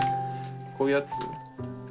こういうやつ。